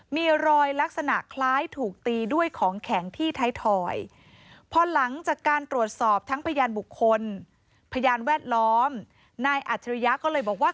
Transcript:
มีรอยลักษณะคล้ายถูกตีด้วยของแข็งที่ไทยทอยพอหลังจากการตรวจสอบทั้งพยานบุคคลพยานแวดล้อมนายอัจฉริยะก็เลยบอกว่า